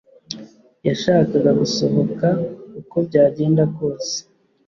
yashakaga gusohoka uko byagenda kose